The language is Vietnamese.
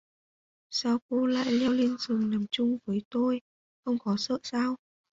Sao cô lại leo lên giường nằm chung với tôi không có sợ sao